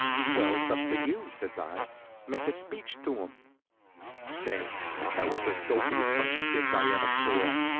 "Well, it's up to you," says I. "Make a speech to 'em." Say, that was the dopiest bunch of kids I ever saw.